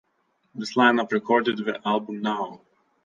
This lineup recorded the album "Now".